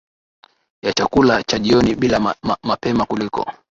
ya chakula cha jioni bila mapema kuliko